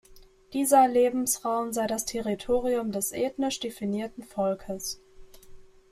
Dieser Lebensraum sei das Territorium des ethnisch definierten Volkes.